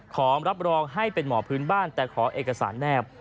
ขอรับรองให้เป็นหมอพื้นบ้านแต่ขอเอกสารแนบ